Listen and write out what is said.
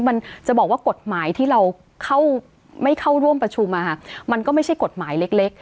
มันจะบอกว่ากฎหมายที่เราไม่เข้าร่วมประชุมมันก็ไม่ใช่กฎหมายเล็ก